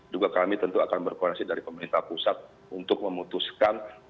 juga kami tentu akan berkoordinasi dari pemerintah pusat untuk memutuskan